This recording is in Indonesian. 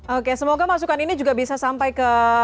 oke semoga masukan ini juga bisa sampai ke